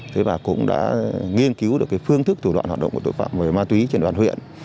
thế và cũng đã nghiên cứu được cái phương thức thủ đoạn hoạt động của tội phạm về ma túy trên đoạn huyện